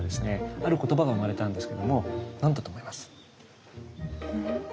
ある言葉が生まれたんですけども何だと思います？